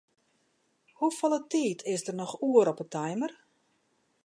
Hoefolle tiid is der noch oer op 'e timer?